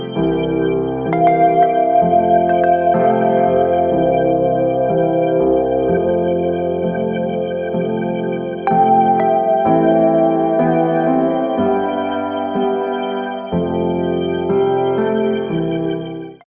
ติดตามตอนต่อไป